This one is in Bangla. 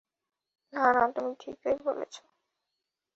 না, না, তুমি ঠিকই বলেছ।